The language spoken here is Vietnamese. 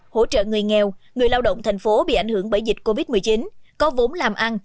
hỗ trợ người nghèo người lao động thành phố bị ảnh hưởng bởi dịch covid một mươi chín có vốn làm ăn